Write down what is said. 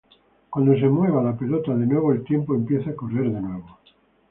Cuándo se mueva la pelota de nuevo, el tiempo empieza a correr de nuevo.